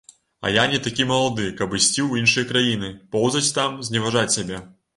А я не такі малады, каб ісці ў іншыя краіны, поўзаць там, зневажаць сябе.